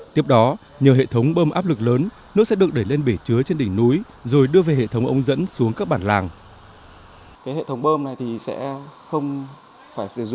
tiếp đó nhờ hệ thống bơm áp lực lớn nước sẽ được đẩy lên bể chứa trên đỉnh núi rồi đưa về hệ thống ống dẫn xuống các bản làng